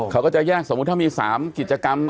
เขาก็จะแยกสมมุติถ้ามี๓กิจกรรม